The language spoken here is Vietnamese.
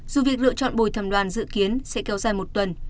dù việc lựa chọn bồi thẩm đoàn dự kiến sẽ kéo dài một tuần